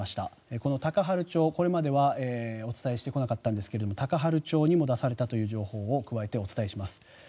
この高原町、これまではお伝えしてこなかったんですが高原町にも出されたという情報を加えてお伝えします。